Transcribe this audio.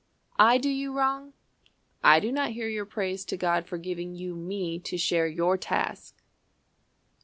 I do you wrong? I do not hear your praise To God for giving you me to share your task?